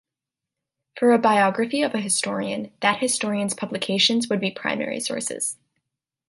For a biography of a historian, that historian's publications would be primary sources.